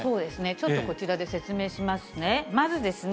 ちょっとこちらで説明しますね。